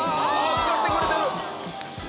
使ってくれてる！